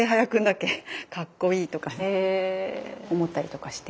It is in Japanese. かっこいい！とか思ったりとかして。